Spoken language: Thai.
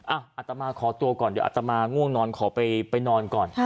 อัตมาขอตัวก่อนเดี๋ยวอัตมาง่วงนอนขอไปนอนก่อน